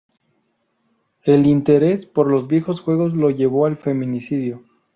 el interés por los videos juegos la llevó al feminismo